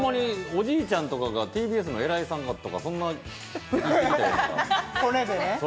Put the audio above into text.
おじいちゃんとかがＴＢＳの偉いさんとか、そんなん違うの？